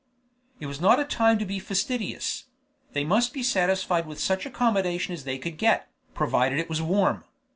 It was not a time to be fastidious; they must be satisfied with such accommodation as they could get, provided it was warm.